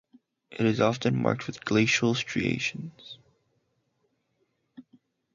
It is often marked with glacial striations.